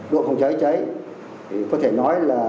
độ phòng cháy cháy có thể nói là